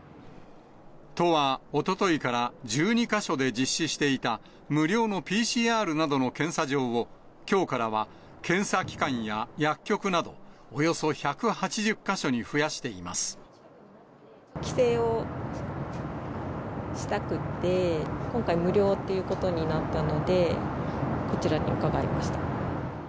都はおとといから１２か所で実施していた無料のＰＣＲなどの検査場を、きょうからは検査機関や薬局など、およそ１８０か所に帰省をしたくて、今回、無料ということになったので、こちらに伺いました。